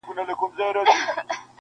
بس په زړه کي یې کراري اندېښنې سوې -